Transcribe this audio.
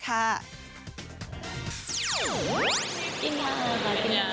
จริงคะเหมือนกัน